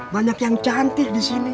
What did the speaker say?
banyak yang cantik di sini